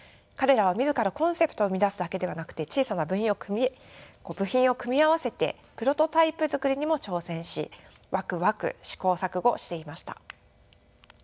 彼らは自らコンセプトを生み出すだけではなくて小さな部品を組み合わせてプロトタイプ作りにも挑戦しワクワク試行錯誤していました。